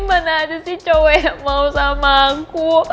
mana ada sih cowok yang mau sama aku